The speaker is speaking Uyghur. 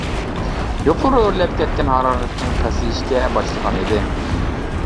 يۇقىرى ئۆرلەپ كەتكەن ھارارىتىڭ پەسىيىشكە باشلىغان ئىدى.